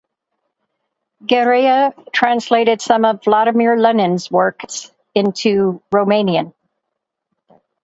Gherea translated some of Vladimir Lenin's works into Romanian.